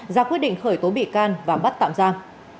ra quyết định khởi tố bị can và bắt tạm giam